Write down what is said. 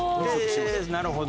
なるほど。